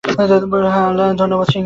হ্যা আল্লাহকে ধন্যবাদ সিংহের কি হয়েছে?